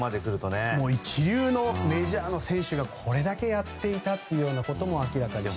一流のメジャーの選手がこれだけやっていたということも明らかにして。